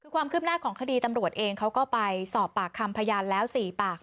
ความคืบหน้าของคดีตำรวจเองเขาก็ไปสอบปากคำพยานแล้ว๔ปาก